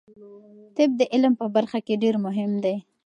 طب د علم په برخه کې ډیر مهم دی.